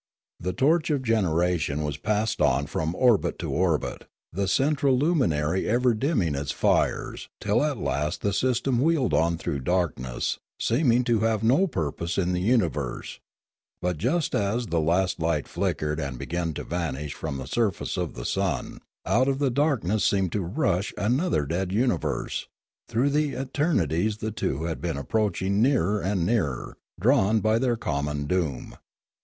The torch of generation was passed on from orbit to orbit, the central luminary ever dimming its fires., till The Duomovamolan 223 at last the system wheeled on through darkness, seem ing to have no purpose in the universe; but just as the last light flickered and began to vanish from the surface of the sun, out of the darkness seemed to rush another dead universe; through the eternities the two had been approaching nearer and nearer, drawn by their common doom.